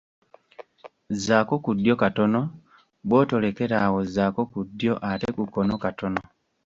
Zzaako ku ddyo katono, bw'otyo lekera awo zzaako ku ddyo ate ku kkono katono.